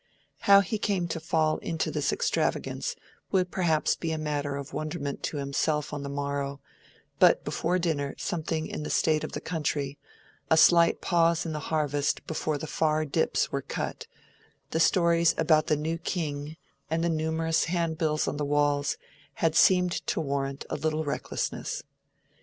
How he came to fall into this extravagance would perhaps be matter of wonderment to himself on the morrow; but before dinner something in the state of the country, a slight pause in the harvest before the Far Dips were cut, the stories about the new King and the numerous handbills on the walls, had seemed to warrant a little recklessness.